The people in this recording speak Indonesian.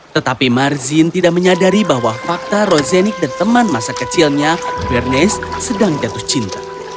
tetapi marzin tidak menyadari bahwa fakta rosenik dan teman masa kecilnya bernez sedang jatuh cinta